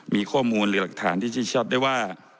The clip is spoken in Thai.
มีข้อมูลหรือหลักฐานที่ชิดชอบได้ว่า